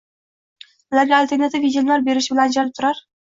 ularga alternativ yechimlar berishi bilan ajralib turar